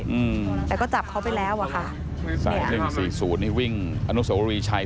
อืมแต่ก็จับเขาไปแล้วอ่ะค่ะสายหนึ่งสี่ศูนย์นี่วิ่งอนุสวรีชัย